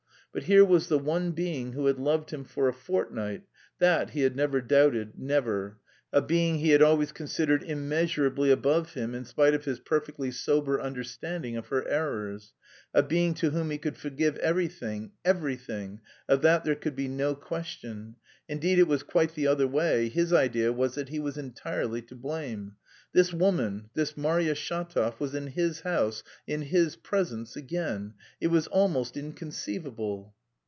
But here was the one being who had loved him for a fortnight (that he had never doubted, never!), a being he had always considered immeasurably above him in spite of his perfectly sober understanding of her errors; a being to whom he could forgive everything, everything (of that there could be no question; indeed it was quite the other way, his idea was that he was entirely to blame); this woman, this Marya Shatov, was in his house, in his presence again... it was almost inconceivable!